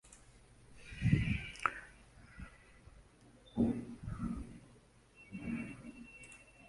Imepakana na Irak na Saudia.